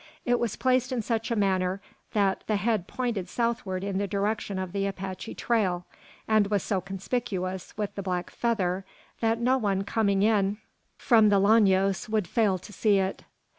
It was placed in such a manner that the head pointed southward in the direction of the Apache trail, and was so conspicuous with the black feather that no one coming in from the Llanos could fail to see it.